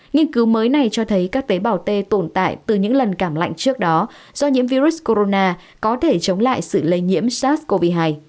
nghiên cứu mới này cho thấy các tế bào t tồn tại từ những lần cảm lạnh trước đó do nhiễm virus corona có thể chống lại sự lây nhiễm sars cov hai